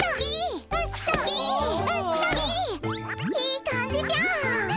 いい感じぴょん。